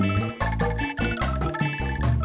anmak ini lebih yang pieternya